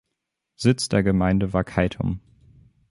Sitz der Gemeinde war Keitum.